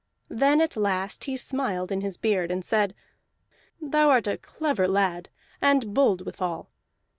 Then at last he smiled in his beard, and said: "Thou art a clever lad, and bold withal.